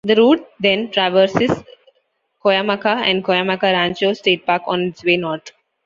The route then traverses Cuyamaca and Cuyamaca Rancho State Park on its way north.